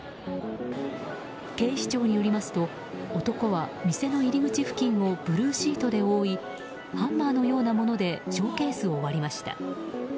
警視庁によりますと男は、店の入り口付近をブルーシートで覆いハンマーのようなものでショーケースを割りました。